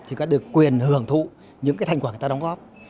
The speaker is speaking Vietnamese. thì có được quyền hưởng thụ những cái thành quả người ta đóng góp